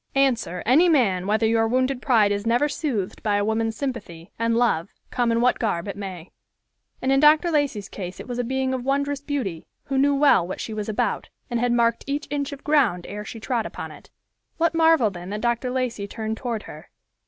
Answer, any man, whether your wounded pride is never soothed by woman's sympathy, and love, come in what garb it may. And in Dr. Lacey's case it was a being of wondrous beauty, who knew well what she was about and had marked each inch of ground ere she trod upon it. What marvel then that Dr. Lacey turned toward her.